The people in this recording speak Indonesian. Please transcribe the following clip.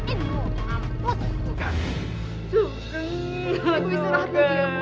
terima kasih tralah waktumu mak